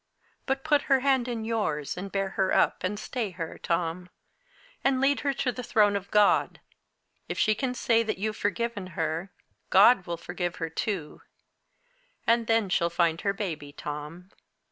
But put her hand in yours, and bear her up, and stay her, Tom, and lead her to the throne of God. If she can say that you've forgiven her, God will forgive her too. And then she'll find her baby, Tom."